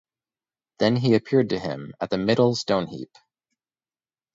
Then he appeared to him at the Middle Stone-Heap.